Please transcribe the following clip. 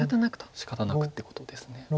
しかたなくってことです。